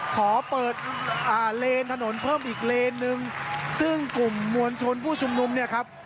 ขอเปิดอ่าเลนถนนเพิ่มอีกเลนนึงซึ่งกลุ่มมวลชนผู้ชุมนุมเนี่ยครับ